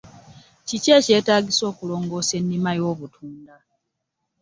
Kiki ekyetaagisa okulongoosa ennima y’obutunda?